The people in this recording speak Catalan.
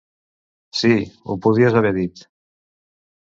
Sí, ho podries haver dit!